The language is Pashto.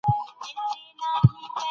تاريخي کسان بايد په انصاف وتلل سي.